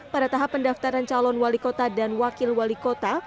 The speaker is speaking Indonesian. pada tahap pendaftaran calon wali kota dan wakil wali kota